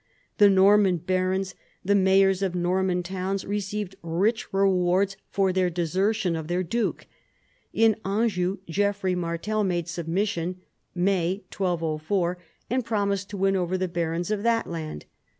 The Norman barons, the mayors of Norman towns, received rich rewards for their desertion of their duke. In Anjou Geoffrey Martel made submission May 1204, and promised to win over the barons of that land.